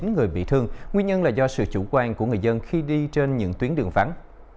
chín người bị thương nguyên nhân là do sự chủ quan của người dân khi đi trên những tuyến đường vắng